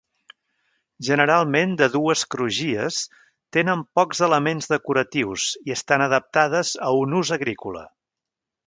Generalment de dues crugies, tenen pocs elements decoratius i estan adaptades a un ús agrícola.